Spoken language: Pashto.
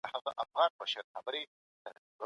د مشترکونو د حل لاري په رڼا کي تحقیقاتو ته اړتیا سته.